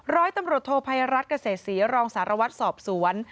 ร้อยตำรวจโทภัยรัฐเกษตรศรีรองสารวัตรสอบสวน